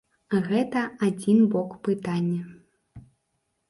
Гэта адзін бок пытання.